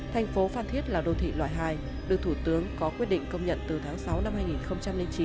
thành phố phan thiết là đô thị loại hai được thủ tướng có quyết định công nhận từ tháng sáu năm hai nghìn chín